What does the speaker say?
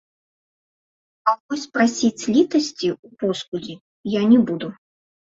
А вось прасіць літасці ў поскудзі я не буду.